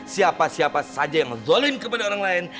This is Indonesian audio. siapa siapa saja yang zolim kepada orang lain